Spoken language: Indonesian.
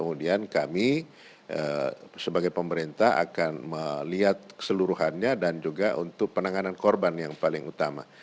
kemudian kami sebagai pemerintah akan melihat keseluruhannya dan juga untuk penanganan korban yang paling utama